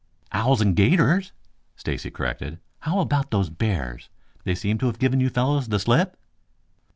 "Owls and 'gators," Stacy corrected. "How about those bears? They seem to have given you fellows the slip?"